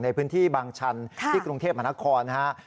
ในพื้นที่บางชันที่กรุงเทพฯมหานคร